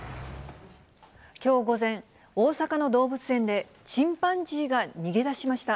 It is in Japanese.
きょう午前、大阪の動物園で、チンパンジーが逃げ出しました。